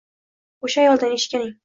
o'sha ayoldan eshitganing